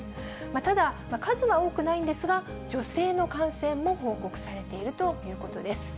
ただ、数は多くないんですが、女性の感染も報告されているということです。